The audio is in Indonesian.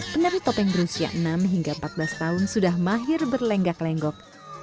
penari topeng berusia enam hingga empat belas tahun sudah mahir berlenggak lenggok